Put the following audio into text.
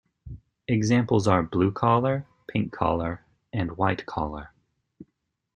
Examples are "blue-collar", "pink-collar" and "white-collar".